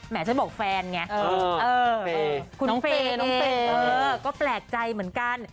แหมฉันบอกแฟนไงคุณเฟย์เองก็แปลกใจเหมือนกัน